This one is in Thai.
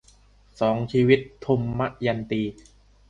สองชีวิต - ทมยันตี